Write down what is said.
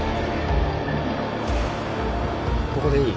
ここでいい？